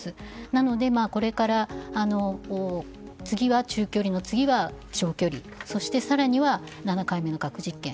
なので、これから次は中距離次は長距離そして更には７回目の核実験。